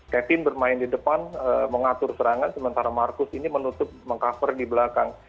kevin bermain di depan mengatur serangan sementara marcus ini menutup meng cover di belakang